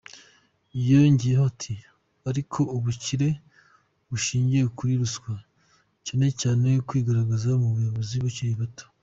Yongeyeho ati “Ariko ubukire bushingiye kuri ruswa cyane cyane bwigaragaza mu bayobozi bakiri bato,.